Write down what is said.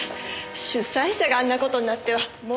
主催者があんな事になってはもう。